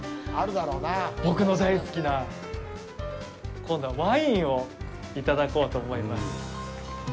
僕の大好きな今度はワインをいただこうと思います。